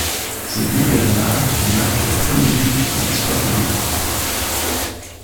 C’est Guy Bernard qui marque le premier but de l’histoire de l'équipe.